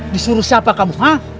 disuruh siapa kamu ha